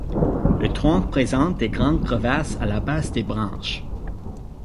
Le tronc présente de grandes crevasses à la base des branches.